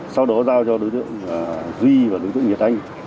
sau đó giao cho đối tượng duy và đối tượng nhật anh